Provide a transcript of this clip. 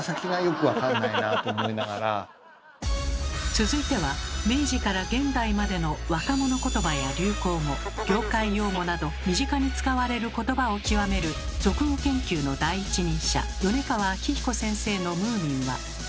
続いては明治から現代までの若者ことばや流行語業界用語など身近に使われることばを究める俗語研究の第一人者米川明彦先生のムーミンは。